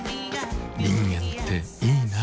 人間っていいナ。